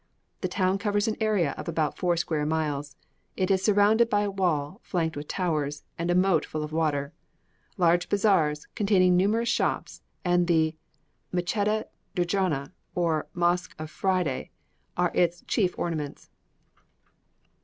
The town covers an area of about four square miles; it is surrounded by a wall flanked with towers, and a moat full of water. Large bazaars, containing numerous shops, and the Mechedé Djouna, or Mosque of Friday, are its chief ornaments.